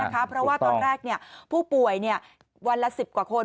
เพราะว่าตอนแรกผู้ป่วยวันละ๑๐กว่าคน